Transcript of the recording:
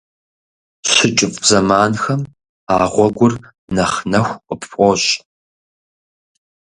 ЩыкӀыфӀ зэманхэм а гъуэгур нэхъ нэху къыпфӀощӏ.